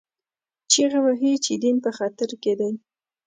چیغې وهي چې دین په خطر کې دی